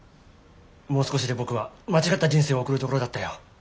もう少しで僕は間違った人生を送るところだったよ。